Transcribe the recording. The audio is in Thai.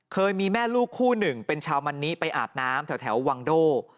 เคยมีแม่ลูกคู่หนึ่งเป็นชาวมันนิไปอาบน้ำแถววังโด